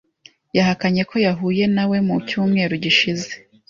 Yahakanye ko yahuye na we mu cyumweru gishize.